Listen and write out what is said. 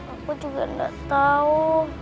aku juga gak tau